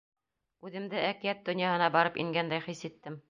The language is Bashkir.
Үҙемде әкиәт донъяһына барып ингәндәй хис иттем.